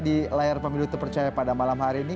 di layar pemilu terpercaya pada malam hari ini